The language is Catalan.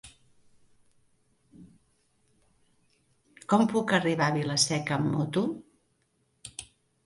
Com puc arribar a Vila-seca amb moto?